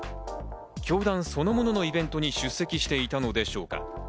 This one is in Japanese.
教団そのもののイベントに出席していたのでしょうか？